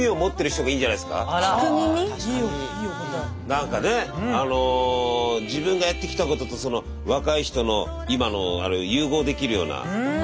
何かねあの自分がやってきたこととその若い人の今のあれを融合できるような。